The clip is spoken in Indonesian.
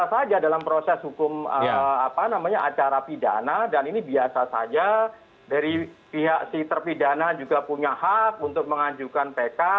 biasa saja dalam proses hukum apa namanya acara pidana dan ini biasa saja dari pihak si terpidana juga punya hak untuk mengajukan pk